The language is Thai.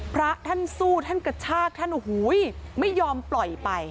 พระท่านสู้ท่านกระชากท่านโอ้โหไม่ยอมปล่อยไป